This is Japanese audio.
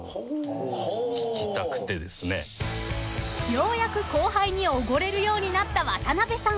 ［ようやく後輩におごれるようになった渡辺さん］